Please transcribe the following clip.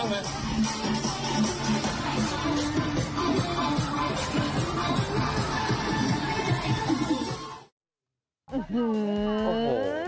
อื้อแหวน